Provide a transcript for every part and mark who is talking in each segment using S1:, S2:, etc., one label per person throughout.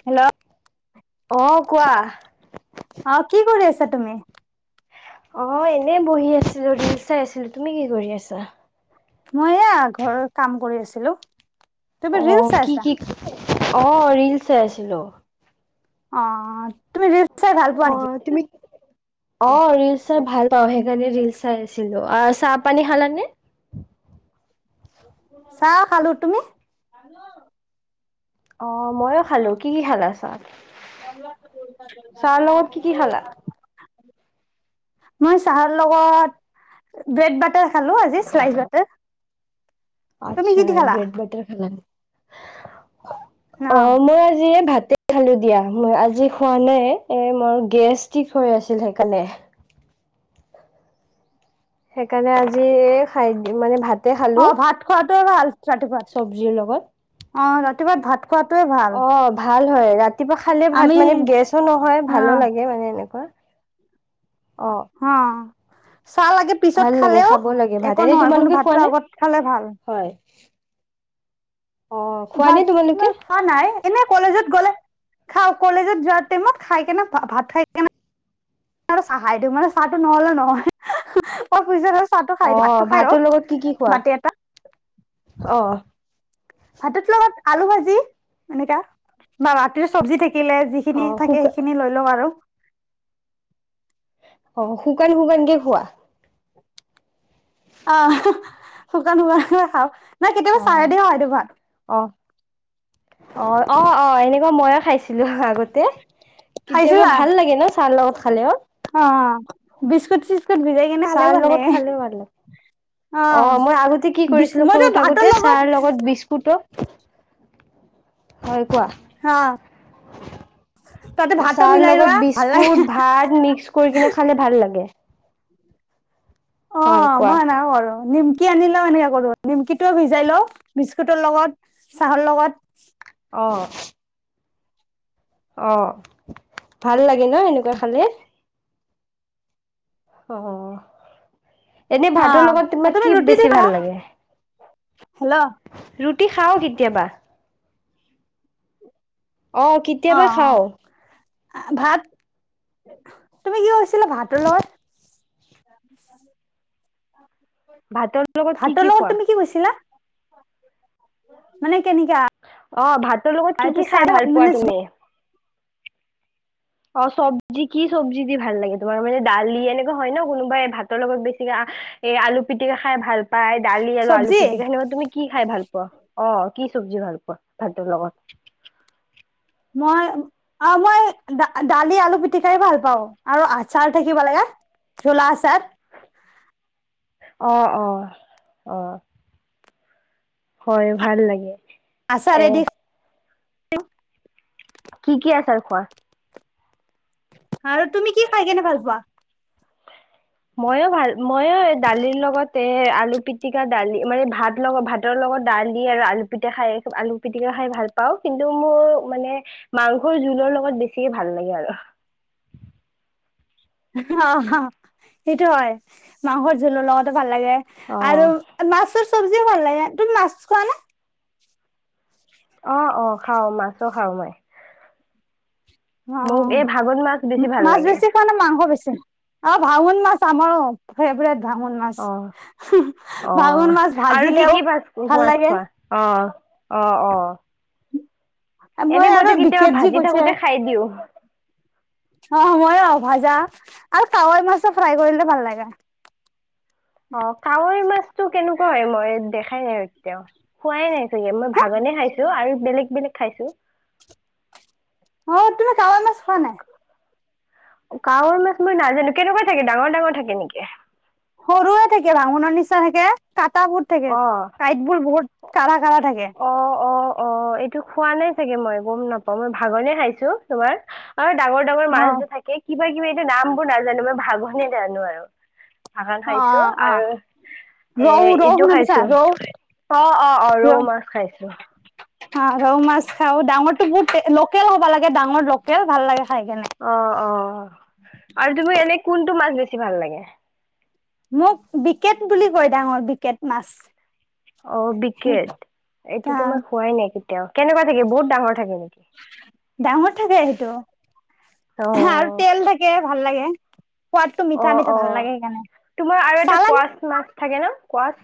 S1: Hello.
S2: অ', কোৱা।
S1: অ', কি কৰি আছা তুমি?
S2: অ', এনেই বহি আছিলো ৰিলচ চাই আছিলো, তুমি কি কৰি আছা?
S1: মই এয়া ঘৰত কাম কৰি আছিলো। তুমি ৰিলচ
S2: অ', কি
S1: চাইছা?
S2: কি অ' ৰিলচ চাই আছিলো।
S1: অ', তুমি ৰিলচ চাই ভাল পোৱা নেকি?
S2: অ', তুমি অ' ৰিলচ চাই ভাল পাওঁ সেইকাৰণে ৰিলচ চাই আছিলো। অ' চাহ পানী খালানে?
S1: [inaudible] চাহ খালো, তুমি? [inaudible]
S2: অ', মইয়ো খালো, কি কি খালা চাহ চাহৰ লগত কি কি খালা?
S1: [inaudible] মই চাহৰ লগত ব্ৰেড বাটাৰ খালো আজি শ্লাইচ বাটাৰ। তুমি
S2: আচ্ছা
S1: কি দি খালা?
S2: ব্ৰেড বাটাৰ খালা। অ', মই আজি এই ভাতে খালো দিয়া। মই আজি খোৱা নাই এ মোৰ গেছটিক হৈ আছিলে সেইকাৰণে। সেইকাৰণে আজি এই খাই মানে ভাত
S1: অ', ভাত খোৱাটোৱে ভাল
S2: চব্জিৰ লগত
S1: ৰাতিপুৱাত অ' ৰাতিপুৱা ভাত খোৱাতে ভাল।
S2: অ', ভাল হয় ৰাতিপুৱা খালে
S1: আমি
S2: ভাত মানে গেছো নহয়
S1: অ
S2: ভালো লাগে মানে এনেকুৱা।
S1: [inaudible]
S2: অ'।
S1: অ', চাহ লাগে পিছত
S2: ভাল লাগে
S1: খালে
S2: খাব লাগে ভাত
S1: একো
S2: এনে
S1: নহয় কোনো
S2: তোমালোকে খোৱা
S1: ভাতটো
S2: নে?
S1: আগত খালে ভাল।
S2: হয়। অ' খোৱা নে
S1: ভাত
S2: তোমালোকে?
S1: মই খোৱা নাই এনে কলেজত গ'লে খাওঁ কলেজত যোৱাৰ টাইমত খাই কেনে ভাত খাই কেনে আৰু চাহ [unintelligible] মানে চাহটো নহ'লে নহয়। অ', পিছত হ'লেও চাহটো খাই
S2: অ'
S1: ভাতটো খাই লওঁ
S2: ভাতৰ লগত কি কি খোৱা?
S1: বাতি এটা।
S2: অ'।
S1: ভাতৰ লগত আলু ভাজি এনেকা বা ৰাতিৰ চব্জি থাকিলে যি খিনি
S2: অ'
S1: থাকে
S2: শুকা
S1: সেইখিনি লৈ লওঁ আৰু।
S2: অ', শুকান শুকানকে খোৱা?
S1: অহ শুকান শুকান খাওঁ। নাই কেতিয়াবা চাহে
S2: অ',
S1: দিওঁ খাই দিওঁ ভাত
S2: অ'। অ', অ', অ', এনেকুৱা মইও খাইছিলো আগতে কেতিয়াবা
S1: খাইছিলা
S2: ভাল লাগে ন চাহ লগত খালেও।
S1: অ', অ', বিস্কুট চিস্কুট ভিজাই কিনে খালেও
S2: চাহৰ
S1: ভাল
S2: লগত
S1: লাগে।
S2: খালেও ভাল লাগে।
S1: অ
S2: মই আগতে কি
S1: বিচ
S2: কৰিছিলো
S1: মই ত
S2: সৰু
S1: ভাতৰ
S2: থাকোতে
S1: লগত
S2: চাহৰ বিস্কুটো হয় কোৱা
S1: অ তাতে ভাতো
S2: চাহৰ
S1: মিলাই লোৱা
S2: লগত
S1: ভাল লাগে
S2: বিস্কুট ভাত মিক্স কৰি কিনে খালে ভাল লাগে
S1: অ
S2: হয় কোৱা
S1: মই নাহো আৰু মোন কি আনি লও এনেকে কৰো নিমকিটোও ভিজাই লও বিস্কুটৰ লগত চাহৰ লগত
S2: অ অ ভাল লাগে ন এনেকুৱা খালে অ এনে
S1: অ
S2: ভাতৰ লগত তোমাক
S1: তুমি
S2: কি
S1: ৰুটি দি
S2: বেছি
S1: খা
S2: ভাল লাগে
S1: হেল্ল' অ
S2: ৰুটি খাও কিতিয়াবা
S1: অ অ
S2: কেতিয়াবা খাও
S1: ভাত তুমি কি কৈছিলা ভাতৰ লগত
S2: ভাতৰ লগত কি
S1: ভাতৰ
S2: খোৱা?
S1: লগত তুমি কি কৈছিলা? মানে কেনেকা
S2: অ ভাতৰ লগত কি
S1: এইটো
S2: কি
S1: চাই
S2: খাই ভাল পোৱা
S1: মানে
S2: তুমি অ চব্জি কি চব্জি দি ভাল লাগে তোমাৰ মানে দালি এনেকুৱা হয় ন কোনোবাই ভাতৰ লগত বেছিকে আ এ আলু পিটিকা খাই ভাল পাই দালি আৰু আলু
S1: চব্জি
S2: পিটিকা সেনকা তুমি কি খাই ভাল পোৱা অ কি চব্জি ভাল পোৱা ভাতৰ লগত
S1: মই অ মই দা দালি আলু পিটিকাই ভাল পাওঁ আৰু আচাৰ থাকিব লাগে জুলা আছাৰ
S2: অ অ অ হয় ভাল লাগে এ
S1: আচাৰেদি
S2: কি কি আচাৰ খোৱা।
S1: আৰু তুমি কি খাই কিনে ভাল পোৱা।
S2: ময়ো ভাল ময়ো দালিৰ লগতে এ আলু পিটিকা দালি মানে ভাত লগত ভাত ভাতৰ লগত দালি আৰু আলু পিটা খাই আলু পিটিকা খাই ভাল পাওঁ কিন্তু মোৰ মানে মাংসৰ জোলৰ লগত বেছিকে ভাল লাগে আৰু।
S1: হা হা' সেইটো হয়, মাংসৰ জোলৰ লগত ভাল লাগে আৰু
S2: অ',
S1: মাছৰ চব্জিও ভাল লাগে তুমি মাছ খোৱা নে।
S2: অ', অ', খাওঁ মাছো খাওঁ মই।
S1: অ'
S2: মোক এই ভাগত মাছ
S1: মা
S2: বেছি ভাল
S1: মাছ
S2: লাগে
S1: বেছি খোৱা নে মাংস বেছি। অ ভাঙুন মাছ আমাৰো ফেবৰেট ভাঙোন মাছ
S2: অ',
S1: ভাঙোন
S2: অ',
S1: মাছ
S2: আৰু কি
S1: ভাজিলেও
S2: কি মাছ
S1: ভাল
S2: মাছ
S1: লাগে
S2: খোৱা? অ অ অ
S1: মই
S2: এনেই
S1: আৰু
S2: মইতো
S1: বিকেট
S2: তেতিয়াবা
S1: যি
S2: ভাজি
S1: কৈছে
S2: থাকোতে খাই দিও
S1: অ মইও ভাজা আৰু কাৱৈ মাছো ফ্ৰাই কৰিলে ভাল লাগে
S2: অ কাৱৈ মাছটো কেনেকুৱা হয় মই দেখাই নাই এতিয়াও খোৱাই নাই চাগে মই
S1: হে
S2: ভাঙনে খাইছো আৰু বেলেগ বেলেগ খাইছো
S1: অ তুমি কাৱৈ মাছ খোৱা নাই
S2: কাৱৈ মাছ মই নাজানো কেনেকুৱা থাকে ডাঙৰ ডাঙৰ থাকে নেকি।
S1: সৰুয়ে থাকে ভাঙোনৰ নিচিনা থাকে, কাটা বুট থাকে
S2: অ
S1: কাইট বোৰ বহুত কাঢ়া কাঢ়া থাকে।
S2: অ অ অ এইটো খোৱা নাই চাগে মই গ'ম নাপাওঁ মই ভাগনে খাইছোঁ তোমাৰ, আৰু ডাঙৰ ডাঙৰ মাছ
S1: অ'
S2: যে থাকে কিবা কিবি এইটো নাম বোৰ নাজানো মই ভাগোনে জানো আৰু। ভাঙা খাইছোঁ
S1: অ' অ' অ'
S2: আৰু, এ,
S1: ৰৌ
S2: ই
S1: ৰৌ
S2: ইটো
S1: শুনা পাইছা
S2: খাইছোঁ,
S1: ৰৌ
S2: অ', অ', অ', ৰৌ মাছ খাইছোঁ।
S1: [inaudible] অ', ৰৌ মাছ খাওঁ, ডাঙৰটো বহুত লোকেল হ'ব লাগে, ডাঙৰ লোকেল ভাল লাগে খাই কেনে।
S2: অ', অ', আৰু তুমি এনে, কোনটো মাছ বেছি ভাল লাগে?
S1: মোক বিকেত বুলি কয়, ডাঙৰ বিকেত মাছ।
S2: অ', বিকেত, এইটোতো মই খোৱাই নাই কেতিয়াও, কেনেকুৱা থাকে বহুত ডাঙৰ থাকে নেকি।
S1: ডাঙৰ থাকে সেইটো,
S2: অ
S1: আৰু তেল থাকে ভাল লাগে। সোৱাদটো
S2: অ
S1: মিঠা, মিঠা
S2: অ
S1: ভাল লাগে সেইকাৰণে,
S2: তোমাৰ আৰু এটা
S1: চালানি
S2: কোৱাচ মাছ থাকে ন' কোৱাত।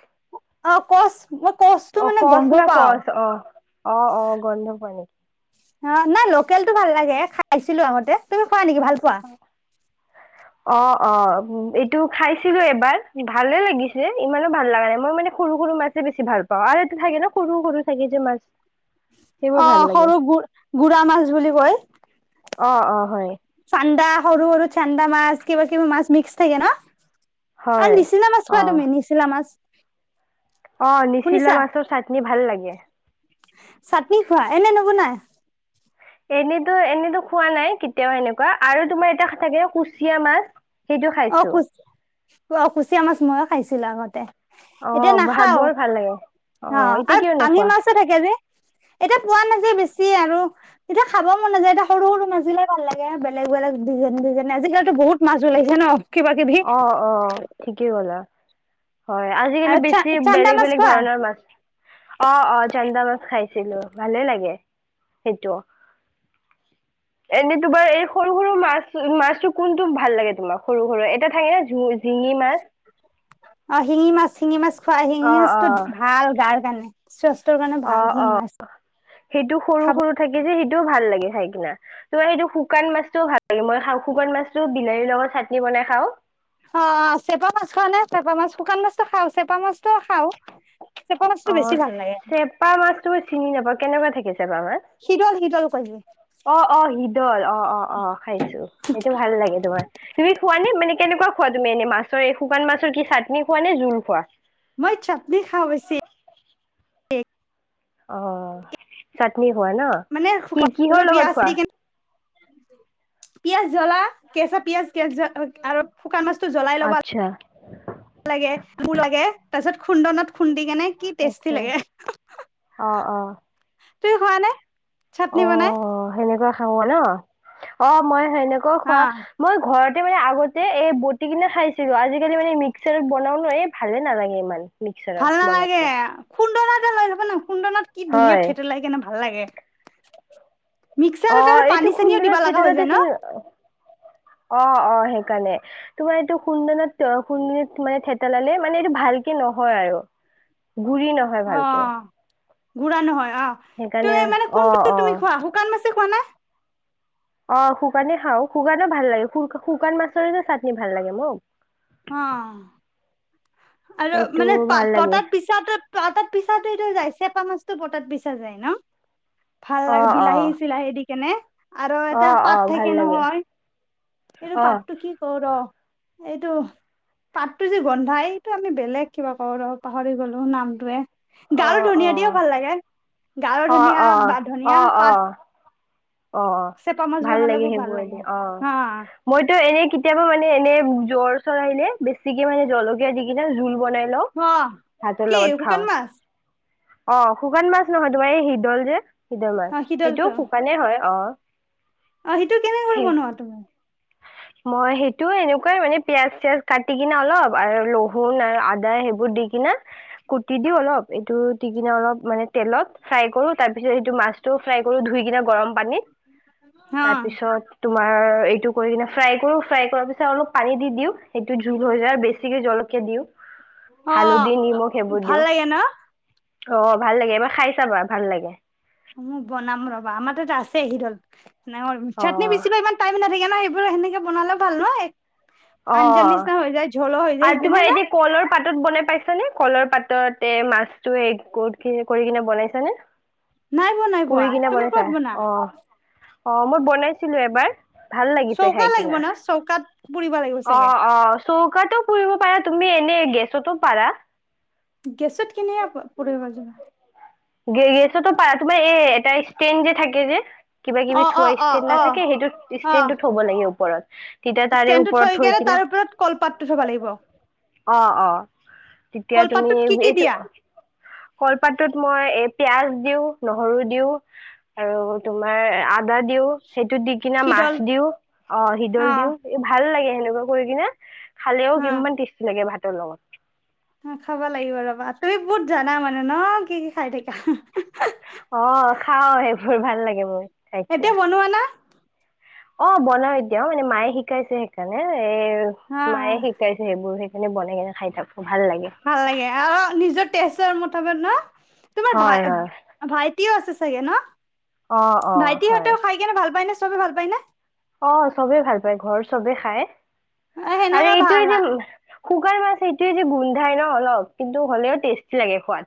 S1: অ', কৰ্চ মই কৰ্চটো মানে
S2: কচ
S1: গোন্ধ
S2: না
S1: পাওঁ।
S2: কচ অ'। অ', অ', গোন্ধ পোৱা নেকি।
S1: অ', নাই লোকেলটো ভাল লাগে, খাইছিলো আগতে, তুমি খোৱা নেকি ভাল পোৱা।
S2: [inaudible] অ', অ', এইটো খাইছিলো এবাৰ, ভালে লাগিছে ইমানো ভাল লগা নাই। মই মানে সৰু, সৰু মাছে বেছি ভাল পাওঁ আৰু এইটো থাকে ন' সৰু, সৰু থাকে যে মাছ। সেইবোৰ ভাল
S1: অ',
S2: লাগে
S1: সৰু গু গুৰা মাছ বুলি কয়।
S2: অ', অ', হয়।
S1: চান্দা, সৰু, সৰু চান্দা মাছ, কিবা-কিবি মাছ মিক্স থাকে ন'।
S2: হয়
S1: আৰু নিচিলা মাছ
S2: অ
S1: খোৱা তুমি, নিচিলা মাছ।
S2: অ', নিচিলা
S1: শুনিছা
S2: মাছটোৰ চাটনি ভাল লাগে।
S1: চাটনি খোৱা, এনে নবনাই।
S2: এনেতো, এনেতো খোৱা নাই, কেতিয়াও এনেকুৱা। আৰু তোমাৰ এটা থাকে কুচিয়া মাছ। সেইটো
S1: অ',
S2: খাইছো
S1: কুচ, অ', কুচিয়া মাছ মইয়ো খাইছিলো আগতে।
S2: অ
S1: এতিয়া
S2: ভাল
S1: নাখাওঁ,
S2: বৰ ভাল লাগে
S1: অ',
S2: এতিয়া
S1: আৰু
S2: কিয়
S1: বামি
S2: নোখোৱা
S1: মাছো থাকে যে। এতিয়া পোৱা নাযায়, বেছি আৰু এতিয়া খাব মন নাযায়, এতিয়া সৰু, সৰু মাছি বিলাকে ভাল লাগে, বেলেগ, বেলগ ডিজাইন, ডিজাইন আজিকালিতো বহুত মাছ ওলাইছে। চে ন'। কিবা কিবি
S2: অ', অ', ঠিকেই ক'লা। হয়, আজিকালি
S1: আৰু চা
S2: বেছি
S1: চান্দা
S2: বেলেগ,
S1: মাছ
S2: বেলেগ
S1: খোৱা
S2: ধৰণৰ মাছ। অ', অ', চান্দা মাছ খাইছিলো, ভালে লাগে সেইতো। এনে তোমাৰ, এই সৰু, সৰু মাছ, মাছটো কোনটো ভাল লাগে তোমাৰ সৰু, সৰু এ এটা থাকে যুঙি জিঙি মাছ।
S1: অ', শিঙি মাছ, শিঙি মাছ খোৱা। শিঙি
S2: অ অ
S1: মাছটো ভাল গাৰ কাৰণে। স্বাস্থ্যৰ কাৰণে
S2: অ
S1: ভাল শিঙি
S2: অ
S1: মাছ।
S2: সেইটো সৰু,
S1: খাব
S2: সৰু থাকে যে, সেইটোও ভাল লাগে খাই কিনা। তোমাৰ সেইটো শুকান মাছটো ভাল লাগে মই খাওঁ, শুকান মাছটো বিলাহীৰ লগত চাটনি বনাই খাওঁ।
S1: অ', অ', চেপা মাছ খোৱা নে, চেপা মাছ, শুকান মাছটো খাওঁ চেপা মাছটো খাওঁ।
S2: অ', চেপা মাছতো মই চিনি নাপাওঁ, কেনেকুৱা থাকে চেপা মাছ।
S1: শিদল, শিদল কয় যে।
S2: অ', অ', শিদল, অ', অ', অ', খাইছোঁ সেইটো ভাল লাগে তোমাৰ। তুমি খোৱা নে, মানে কেনেকুৱা খোৱা তুমি, এনে মাছৰ এই শুকান মাছৰ কি চাটনি খোৱা নে জুল খোৱা।
S1: মই চাটনি খাওঁ বেছি।
S2: অ', অ', চাটনি খোৱা ন'।
S1: মানে
S2: কি কিহৰ
S1: কি
S2: লগত
S1: আছ
S2: খোৱা
S1: কিনে। পিয়াজ জ্বলা কেঁচা পিয়াজ কে জ আৰু শুকান মাছতটো জ্বলাই ল'ব-
S2: আচ্ছা
S1: লাগে বু লাগে তাৰ পিছত খুন্দনত খুন্দি কেনে। কি
S2: আচ্ছা
S1: টেষ্টি লাগে,
S2: অ অ
S1: তুমি খোৱা নে?
S2: অ
S1: চাটনি বনাই
S2: সেনেকুৱা খাওঁ ন, অ মই সেনেকেও
S1: অ
S2: খোৱা। মই ঘৰতে মানে আগতে এই বটি কিনে খাইছিলো আজিকালি মানে মিক্সাৰত বনাও ন এই ভালে নালাগে ইমান।
S1: ভাল
S2: মিক্সাৰত বনালে
S1: নালাগে খুন্দনাতে লৈ যাবা ন খুন্দনাত কি ধুনীয়া
S2: হয়
S1: থেতেলিয়াই কেনে ভাল লাগে।
S2: অ
S1: মিক্সাৰত আৰু
S2: এইটো
S1: পানী চানীও
S2: খুন্দনাত
S1: দিবা লগা হৈ যায় ন
S2: থিয়েটতে, অ অ সেইকাৰণে। তোমাৰ এইটো সুন্দনত সুন্দনী মানে থেতেলালে মানে এইটো ভালকে নহয় আৰু। ঘূৰি নহয়। ভালকে
S1: অহ, গুৰা নহয় আহ।
S2: সেইকাৰণে অ অ।
S1: সোকান মাছে খোৱা নে?
S2: অ শুকানে খাও শুকানো ভাল লাগে শুকান মাছৰে যে চাটনি ভাল লাগে মোক।
S1: অহ, আৰু
S2: এইটো
S1: মানে
S2: ভাল লাগে
S1: পতাৰ পি তাত পিছাটোটো যায় চেপা মাছতো পতাত পিছা যায় ন। ভাল
S2: অ
S1: লাগে
S2: অ
S1: বিলাহী চিলাহী দি কেনে আৰু
S2: অ
S1: এতিয়া
S2: অ
S1: পাত
S2: ভাল
S1: থাকে
S2: লাগে
S1: নহয়। এইটো
S2: অ
S1: পাতটো কি কয় ৰ, এইটো। পাতটো যে গন্ধাই এইটো আমি বেলেগ কিবা কো ৰ পাহৰি গলু নামটোৱেই। গাৰ
S2: অ',
S1: ধনিয়া দিও
S2: অ',
S1: ভাল লাগে, গাৰৰ ধনিয়া
S2: অ',
S1: বা ধনিয়া
S2: অ', অ',
S1: পাত।
S2: অ'। অ,
S1: চেপা মাছ
S2: ভাল
S1: বনালে
S2: লাগে
S1: বহুত ভাল
S2: সেইবোৰ
S1: লাগে
S2: দি অ।
S1: হা
S2: মইতো এনে কেতিয়াবা মানে এনে জ্বৰ চ্বৰ আহিলে বেছিকে মানে জলকীয়া দি কিনা জোল বনাই- লও,
S1: অ
S2: ভাতৰ
S1: কি
S2: লগত খাওঁ।
S1: শুকান মাছ
S2: অ শুকান মাছ নহয় তোমাৰ এই শিদল যে শিদল মাছ
S1: অ
S2: সেইটো
S1: শীতলটো
S2: শুকানে হয়। অহ।
S1: অ সেইটো কেনেক বনোৱা তুমি?
S2: মই সেইটো এনেকুৱাই মানে পিয়াজ চিয়াজ কাটি কিনে অলপ আৰু লহুন আৰু আদা সেইবোৰ দি কিনা। কুটি দিও অলপ এইটো দি কিনে অলপ মানে তেলত ফ্ৰাই কৰো তাৰপিছত এইটো মাছ টো ফ্ৰাই কৰি ধুই কিনে গৰম পানীত,
S1: অ
S2: তাৰপিছত তোমাৰ এইটো- কৰি কিনে ফ্ৰাই কৰো ফ্ৰাই কৰাৰ পিছত অলপ পানী দি দিও সেইটো জোল হৈ যায় আৰু বেছিকে জলকীয়া দিও।
S1: অ
S2: হালধি নিমখ সেইবোৰ
S1: ভাল
S2: দিওঁ।
S1: লাগে ন
S2: অ ভাল লাগে এইবাৰ খাই চাবা ভাল লাগে।
S1: উম বনাম ৰবা আমাৰ তাত আছে সিডল
S2: অ
S1: চাটনি বেচিলো ইমান- টাইম নাথাকে ন সেইবোৰ সেনেকে বনালে ভাল নহয়।
S2: অ
S1: আঞ্জা নিচিনা হৈ যায় ঝলো হৈ যায়
S2: আৰু
S1: সেই
S2: তোমাৰ
S1: পিনে ন।
S2: এতিয়া কলৰ পাতত বনাই পাইছানে কলৰ পাততে মাছটো হৰি কৰি কিনে বনাইছানে?
S1: নাই ব নাই
S2: পুৰি
S1: বোৱা
S2: কিনে
S1: তুমি
S2: বনাইছা
S1: কত বনা?
S2: অ অ মই বনাইছিলো এবাৰ ভাল লাগিছে
S1: চৌকা
S2: খাই
S1: লাগিব
S2: কিনা।
S1: ন চৌকাত পোৰিব লাগিব।
S2: অ
S1: চাগে
S2: অ চৌকাত পুৰিব পাৰা তুমি এনে গেছতো পাৰা।
S1: গেছত কিনে পুৰিব জানো।
S2: গ গছতো পাৰা তোমাৰ এই এটা ষ্টেন যে থাকে যে। কিবা কিবি
S1: অ
S2: থোৱা
S1: অ অ
S2: ষ্টেণ্ড
S1: অ
S2: নাথাকে সেইটো
S1: অ
S2: ষ্টেণ্ডো থব লাগে ওপৰত তেতিয়া তাৰে-
S1: ষ্টেণ্ডটো
S2: ওপৰত
S1: থৈ কেনে
S2: কিনা
S1: তাৰ ওপৰত কলপাতটো থব লাগিব।
S2: অ অ, তেতিয়া তুমি
S1: কলপাতটোত কি কি
S2: এইটো।
S1: দিয়া
S2: কলপাতটোত মই এ পিয়াজ দিওঁ, নহৰু দিওঁ আৰু তোমাৰ আ দা দিও, সেইটো দি কিনে
S1: হিদল
S2: মাছ দিও, অ সিদল দিওঁ ভাল লাগে সেনেকুৱা কৰি কিনে খালেও
S1: অ
S2: কিমান টেষ্টি লাগে ভাতৰ লগত
S1: উম খাব লাগিব ৰবা তুমি বহুত জানা মানে ন কি কি খাই থাকা
S2: অ খাও সেইবোৰ ভাল লাগে মো।
S1: এতিয়া বনোৱা না?
S2: অ বনাও এতিয়া মানে মায়ে শিকাইছে সেইকাৰণে এ
S1: অ
S2: মায়ে শিকাই সেইবোৰ সেইকানে বনাই কেনে খাই থাকো ভাল লাগে
S1: ভাল লাগে আৰু নিজৰ তেজৰ মতামত ন তোমাৰ
S2: হয়
S1: ভাই
S2: হয়।
S1: ভাইটিও আছে চাগে ন,
S2: অ অ
S1: ভাইটি
S2: হয়
S1: হতেও খাই কিনে ভাল পায়নে চবে ভাল পায় নে?
S2: অ চবেই ভাল পায় ঘৰ চবে খাই
S1: অ
S2: আৰু
S1: সেনেকা
S2: এইটোয়ে
S1: ভাল
S2: যে শুকান মাছ এইটোৱে যে গোন্ধাই ন অলপ কিন্তু হ'লেও টেষ্টি লাগে খোৱাত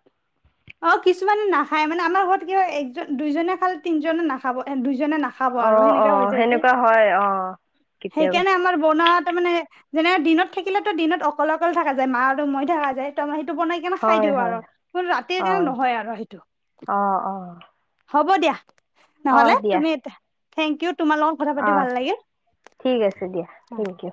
S1: অ কিছুমানে নাখায় মানে আমাৰ ঘৰত কি হয় একজন দুইজনে খালে তিনজনে নাখাব দুইজনে নাখ
S2: অ অ সেনেকুৱা হয় অ কেতিয়াবা।
S1: সেইকাৰণে আমাৰ বনোৱা তাৰমানে যেনে দিনত থাকিলেতো দিনত অকলে অকলে থকা যায় মা আৰু মই থাকা যায় ত মই সেইটো বনাই সেইকাৰণে খাই
S2: হয়
S1: দিওঁ
S2: হয়
S1: আৰু কিন্তু ৰাতিৰ
S2: অ
S1: কাৰণে নহয় আৰু সেইটো
S2: অ অ
S1: হ'ব দিয়া
S2: অ
S1: নহ'লে
S2: দিয়া
S1: তুমি এতিয়া থেংক ইউ তোমাল
S2: অ ঠিক আছে দিয়া
S1: অ
S2: থেংক ইউ।